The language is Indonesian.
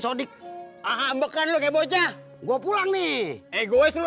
adik aham bekerja bocah gua pulang nih egois lem ayo